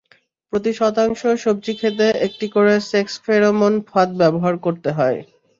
প্রতি শতাংশ সবজিখেতে একটি করে সেক্স ফেরোমন ফাঁদ ব্যবহার করতে হয়।